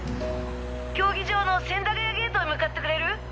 競技場の千駄ヶ谷ゲートへ向かってくれる？